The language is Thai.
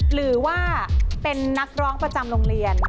หรือว่าเป็นนักร้องประจำโรงเรียน